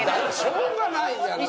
しょうがないじゃないよ。